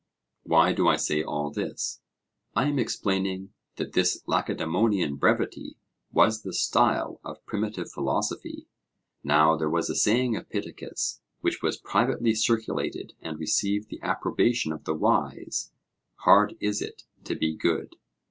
Why do I say all this? I am explaining that this Lacedaemonian brevity was the style of primitive philosophy. Now there was a saying of Pittacus which was privately circulated and received the approbation of the wise, 'Hard is it to be good.'